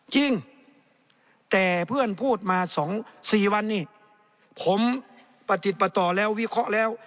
จริงแต่เพื่อนพูดมา๒๔วันนี้ผมประติดประต่อแล้ววิเคราะห์แล้ว